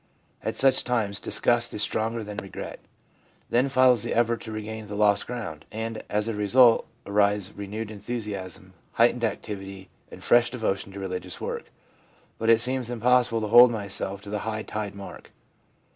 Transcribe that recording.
At such times disgust is stronger than regret. Then follows the effort to regain the lost ground, and as a result arise renewed enthusiasm, heightened activity, and fresh devotion to religious work. But it seems impossible to hold myself to the high tide mark.'